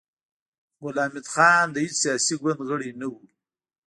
ګل حمید خان د هېڅ سياسي ګوند غړی نه و